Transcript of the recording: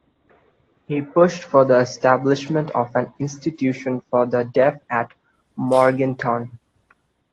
He pushed for the establishment of an institution for the deaf at Morganton.